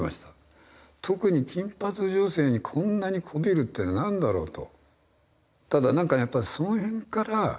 特に金髪女性にこんなにこびるっていうのは何だろうと。